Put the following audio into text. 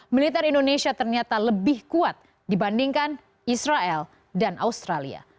militer indonesia ternyata lebih kuat dibandingkan israel dan australia